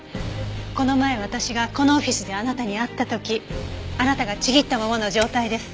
この前私がこのオフィスであなたに会った時あなたがちぎったままの状態です。